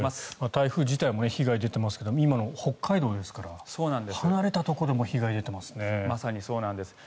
台風自体も被害出ていますが今の北海道ですから離れたところでも被害が出ていますね。